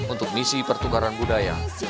untuk misi pertukaran budaya